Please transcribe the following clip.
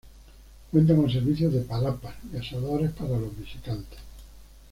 Cuenta con servicios de palapas y asadores para los visitantes.